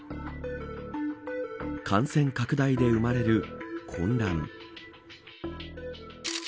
感染拡大で生まれる混乱。